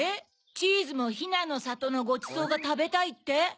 チーズも「ひなのさとのごちそうがたべたい」って？